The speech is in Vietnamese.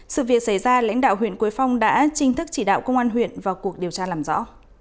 sự việc xảy ra lãnh đạo huyện quế phong đã chính thức chỉ đạo công an huyện vào cuộc điều tra làm rõ